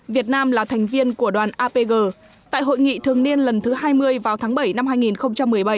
việt nam là thành viên của đoàn apg tại hội nghị thường niên lần thứ hai mươi vào tháng bảy năm hai nghìn một mươi bảy